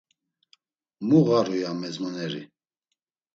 “Mu ğaru?” ya mezmoneri.